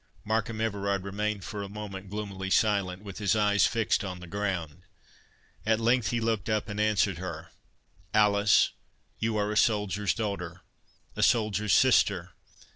Markham Everard remained for a moment gloomily silent,—with his eyes fixed on the ground. At length he looked up, and answered her—"Alice, you are a soldier's daughter—a soldier's sister.